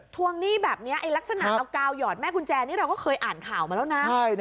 ทวงหนี้แบบนี้ลักษณะเอากาวหยอดแม่กุญแจนี่เราก็เคยอ่านข่าวมาแล้วนะ